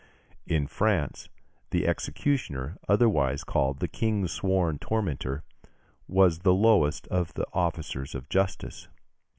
In France, the executioner, otherwise called the King's Sworn Tormentor, was the lowest of the officers of justice.